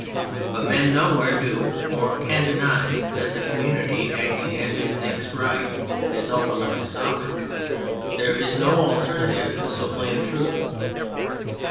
But men nowhere do or can deny that the community acting as it thinks right is ulti mately sovereign : there is no alternative to so plain a truth.